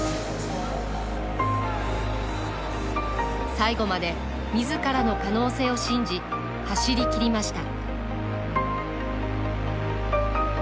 最後までみずからの可能性を信じ走りきりました。